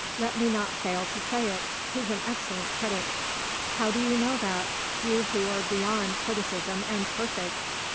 "Let me not fail to say it he's an excellent critic." "How do you know that you who're beyond criticism and perfect?"